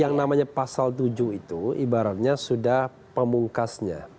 yang namanya pasal tujuh itu ibaratnya sudah pemungkasnya